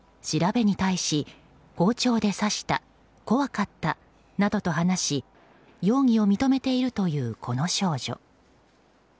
調べに対し、包丁で刺した怖かったなどと話し容疑を認めているというこの少女。